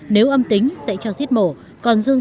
nếu âm tính sẽ cho giết mổ